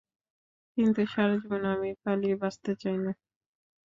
কিন্তু সারাজীবন আমি পালিয়ে বাঁচতে চাই না।